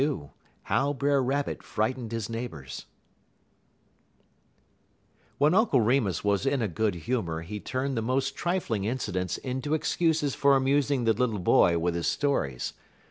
XXII HOW BRER RABBIT FRIGHTENED HIS NEIGHBORS When Uncle Remus was in a good humor he turned the most trifling incidents into excuses for amusing the little boy with his stories.